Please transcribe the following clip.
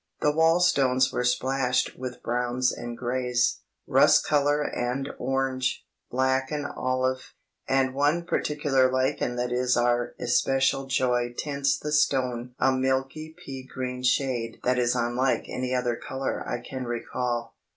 The wall stones were splashed with browns and greys, rust colour and orange, black and olive, and one particular lichen that is our especial joy tints the stone a milky pea green shade that is unlike any other colour I can recall.